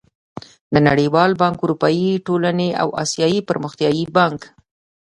د نړېوال بانک، اروپايي ټولنې او اسيايي پرمختيايي بانک